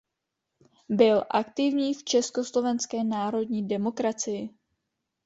Byl aktivní v Československé národní demokracii.